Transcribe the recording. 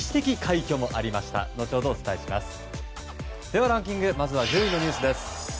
ではランキングまずは１０位のニュース。